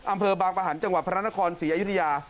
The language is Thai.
อำเภอบางประหันต์จังหวัดพระนครศรีอยุธยา